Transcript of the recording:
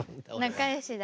仲よしだ。